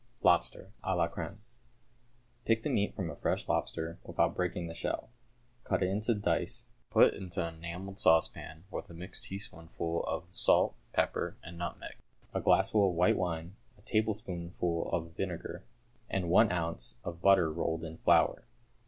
=Lobster, à la Crème.= Pick the meat from a fresh lobster without breaking the shell; cut it into dice. Put into an enamelled saucepan with a mixed teaspoonful of salt, pepper, and nutmeg, a glassful of white wine, a tablespoonful of vinegar, and an ounce of butter rolled in flour.